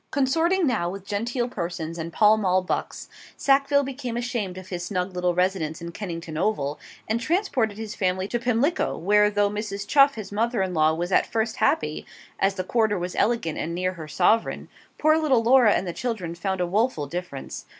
Consorting now with genteel persons and Pall Mall bucks, Sackville became ashamed of his snug little residence in Kennington Oval, and transported his family to Pimlico, where, though Mrs. Chuff, his mother in law, was at first happy, as the quarter was elegant and near her Sovereign, poor little Laura and the children found a woful difference.